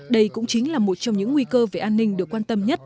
đây cũng chính là một trong những nguy cơ về an ninh được quan tâm nhất